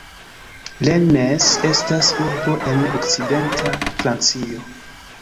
Rennes estas urbo en okcidenta Francio.